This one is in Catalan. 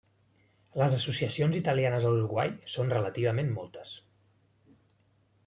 Les associacions italianes a l'Uruguai són relativament moltes.